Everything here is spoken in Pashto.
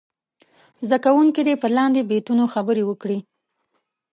زده کوونکي دې په لاندې بیتونو خبرې وکړي.